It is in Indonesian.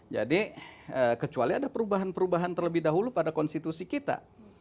jadi kecuali ada perubahan perubahan terlebih dahulu pada konstitusi kita